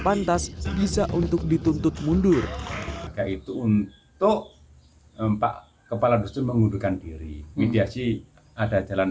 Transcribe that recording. pantas bisa untuk dituntut mundur yaitu untuk pak kepala dusun mengundurkan diri mediasi ada jalan